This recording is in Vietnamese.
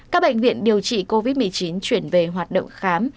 các bệnh viện điều trị covid một mươi chín chuyển về hoạt động khám